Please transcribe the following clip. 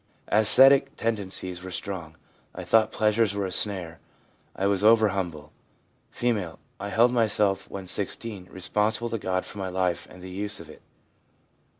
Ascetic tendencies were strong; I thought pleasures were a snare; I was over humble.' F. 'I held myself (when 16) responsible to God for my life and the use of it.